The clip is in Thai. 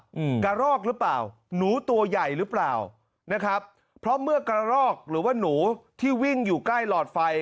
อืมกระรอกหรือเปล่าหนูตัวใหญ่หรือเปล่านะครับเพราะเมื่อกระรอกหรือว่าหนูที่วิ่งอยู่ใกล้หลอดไฟ